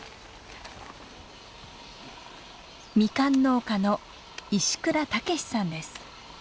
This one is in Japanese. ミカン農家の石倉健さんです。